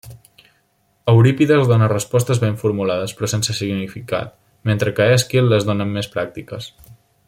Eurípides dóna respostes ben formulades, però sense significat, mentre que Èsquil les dóna més pràctiques.